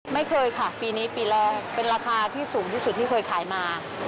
ไม่เคยค่ะปีนี้ปีแรกเป็นราคาที่สูงที่สุดที่เคยขายมา